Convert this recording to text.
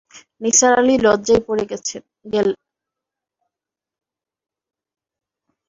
নিসার আলি লজ্জায় পড়ে গেলন।